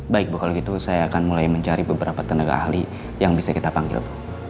baik bu kalau gitu saya akan mulai mencari beberapa tenaga ahli yang bisa kita panggil